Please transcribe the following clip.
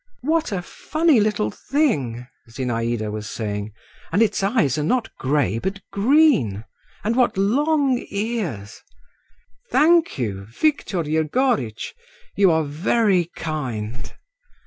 "What a funny little thing!" Zinaïda was saying; "and its eyes are not grey, but green, and what long ears! Thank you, Viktor Yegoritch! you are very kind."